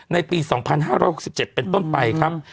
ในปี๒๕๖๗เป็นต้นไปครับ